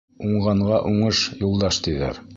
Уңғанға уңыш юлдаш, тиҙәр.